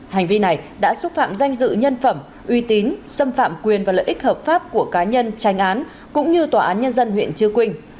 hành vi này đã xúc phạm danh dự nhân phẩm uy tín xâm phạm quyền và lợi ích hợp pháp của cá nhân tranh án cũng như tòa án nhân dân huyện chư quynh